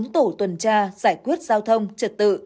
bốn tổ tuần tra giải quyết giao thông trật tự